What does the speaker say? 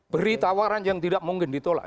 beri tawaran yang tidak mungkin ditolak